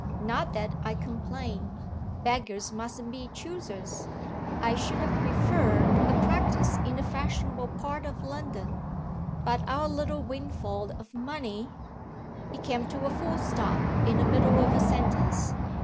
Not that I complain; beggars mustn't be choosers. I should have preferred a practice in a fashionable part of London; but our little windfall of money " He came to a full stop in the middle of a sentence.